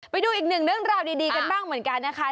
ไปดูอีกหนึ่งเรื่องราวดีกันบ้างเหมือนกันนะคะ